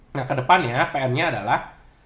nah kedepannya pn nya adalah